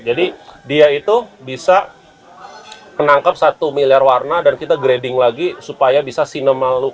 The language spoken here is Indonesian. dia itu bisa menangkap satu miliar warna dan kita grading lagi supaya bisa cinemal look